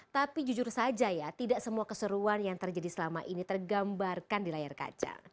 tapi jujur saja ya tidak semua keseruan yang terjadi selama ini tergambarkan di layar kaca